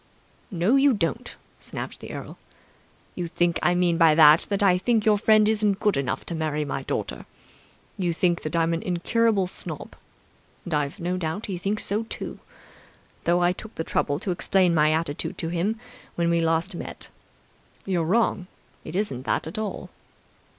"No you don't," snapped the earl. "You think I mean by that that I think your friend isn't good enough to marry my daughter. You think that I'm an incurable snob. And I've no doubt he thinks so, too, though I took the trouble to explain my attitude to him when we last met. You're wrong. It isn't that at all.